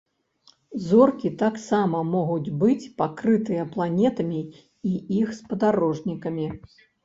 Зоркі таксама могуць быць пакрытыя планетамі і іх спадарожнікамі.